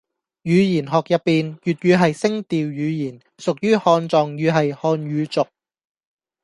語言學入邊，粵語係聲調語言，屬於漢藏語系漢語族